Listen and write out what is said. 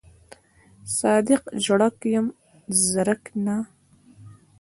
صادق ژړک یم زرک نه.